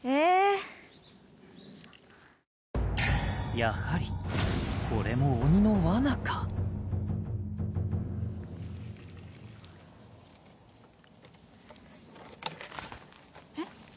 やはりこれも鬼の罠かえっ？